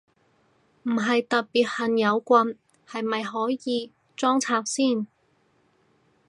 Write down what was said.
唔係特別恨有棍，係咪可以裝拆先？